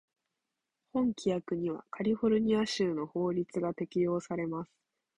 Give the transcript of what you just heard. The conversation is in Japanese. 本規約にはカリフォルニア州の法律が適用されます。